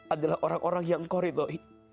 adalah orang orang yang engkau ridhoi